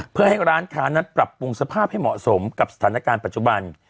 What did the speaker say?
เพื่อให้ร้านค้านั้นปรับปรุงสภาพให้เหมาะสมกับสถานการณ์ปัจจุบัน